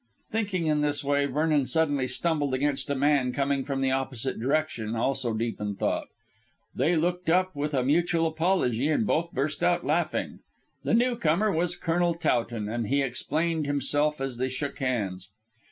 Thinking in this way, Vernon suddenly stumbled against a man coming from the opposite direction, also deep in thought. They looked up with a mutual apology and both burst out laughing. The newcomer was Colonel Towton, and he explained himself as they shook hands.